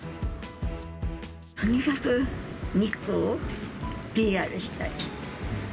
とにかく日光をＰＲしたい。